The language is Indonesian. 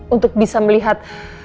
untuk bisa melihat